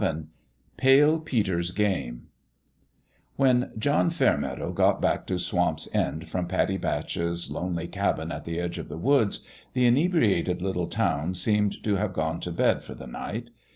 VII PALE PETER'S GAME WHEN John Fairmeadow got back to Swamp's End from Pattie Batch's lonely cabin at the edge of the woods, the inebriated little town seemed to have gone to bed for the night.